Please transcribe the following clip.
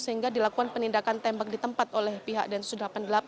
sehingga dilakukan penindakan tembak di tempat oleh pihak densus delapan puluh delapan